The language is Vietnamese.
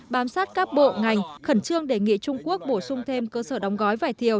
bám sát các bộ ngành khẩn trương đề nghị trung quốc bổ sung thêm cơ sở đóng gói vải thiều